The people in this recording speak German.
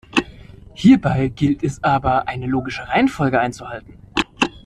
Hierbei gilt es aber, eine logische Reihenfolge einzuhalten.